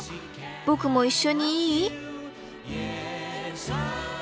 僕も一緒にいい？